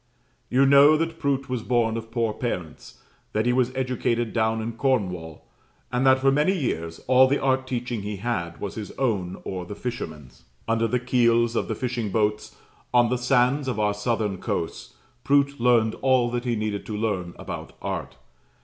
You know that Prout was born of poor parents that he was educated down in Cornwall; and that, for many years, all the art teaching he had was his own, or the fishermen's. Under the keels of the fishing boats, on the sands of our southern coasts, Prout learned all that he needed to learn about art.